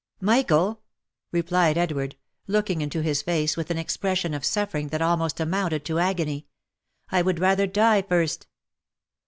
" Michael !" replied Edward, looking in his face with an expression of suffering that almost amounted to agony —" I would rather die first."